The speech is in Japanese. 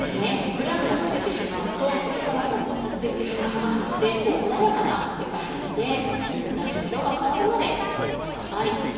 グラグラさせてしまうとそこからもうパサついてしまいますので穏やかな湯加減で豚の色が変わるまでゆでてください。